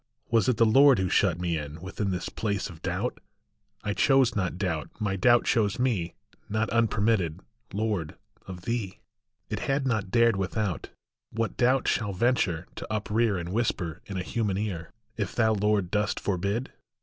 Was it the Lord who shut me in Within this place of doubt? I chose not doubt, my doubt chose me, Not unpermitted, Lord, of thee, It had not dared without : W T hat doubt shall venture to uprear And whisper in a human ear, 208 SHUT IN, If thou, Lord, dost forbid